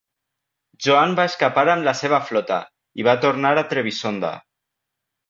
Joan va escapar amb la seva flota, i va tornar a Trebisonda.